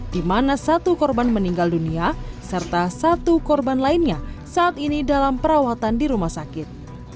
di mana satu korban meninggal dunia serta satu korban lainnya saat ini dalam perawatan di rumah sakit